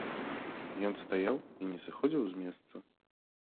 Ён стаяў і не сыходзіў з месца.